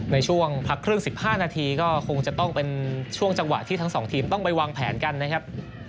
ในช่วงพักครึ่ง๑๕นาทีก็คงจะต้องเป็นช่วงจังหวะที่ทั้งสองทีมต้องไปวางแผนกันนะครับ